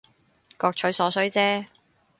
各取所需姐